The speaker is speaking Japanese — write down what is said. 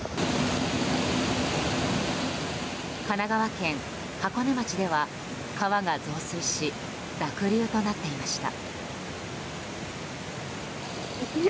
神奈川県箱根町では川が増水し濁流となっていました。